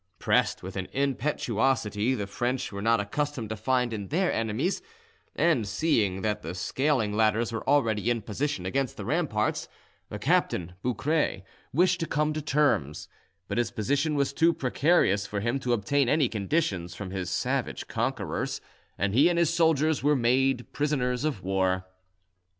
Pressed with an impetuosity the French were not accustomed to find in their enemies, and seeing that the scaling ladders were already in position against the ramparts, the captain Boucret wished to come to terms; but his position was too precarious for him to obtain any conditions from his savage conquerors, and he and his soldiers were made prisoners of war.